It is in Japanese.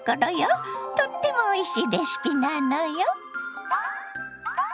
とってもおいしいレシピなのよ。